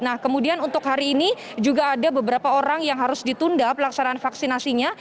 nah kemudian untuk hari ini juga ada beberapa orang yang harus ditunda pelaksanaan vaksinasinya